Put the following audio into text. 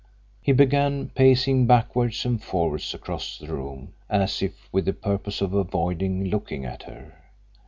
He began pacing backwards and forwards across the room as if with the purpose of avoiding looking at her.